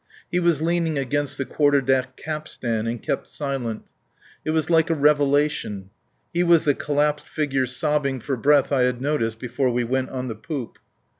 He was leaning against the quarter deck capstan and kept silent. It was like a revelation. He was the collapsed figure sobbing for breath I had noticed before we went on the poop.